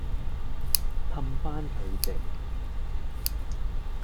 氹返佢哋